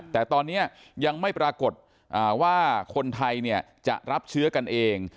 แต่ตอนนี้ยังไม่ปรากฏว่าคนไทยจะรับเชื้อกันเอง